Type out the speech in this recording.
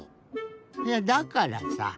いやだからさ